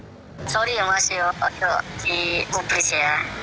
maaf saya masih di publis ya